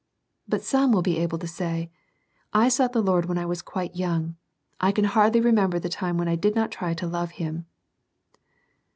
But some will be able to say, "I sought the Lord when I was quite young — I can hardly re member the time when I did not try to love Him."